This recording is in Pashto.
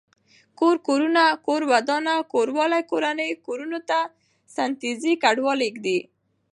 کور کورونه کور ودانه کوروالی کورنۍ کورنو ته ستنيږي کډوالو کډي